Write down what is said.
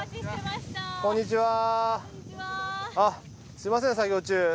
すみません作業中。